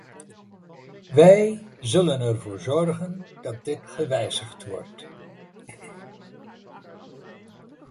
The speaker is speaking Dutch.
Wij zullen ervoor zorgen dat dit gewijzigd wordt.